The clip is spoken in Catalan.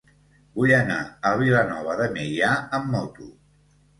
Vull anar a Vilanova de Meià amb moto.